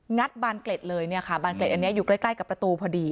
บานเกล็ดเลยเนี่ยค่ะบานเกล็ดอันนี้อยู่ใกล้ใกล้กับประตูพอดี